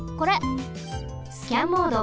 スキャンモード。